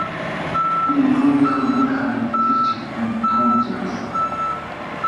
Би өрөөнийхөө нэг ханыг тэр чигт нь түүнд зориулсан.